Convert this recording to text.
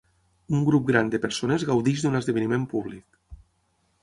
Un grup gran de persones gaudeix d'un esdeveniment públic.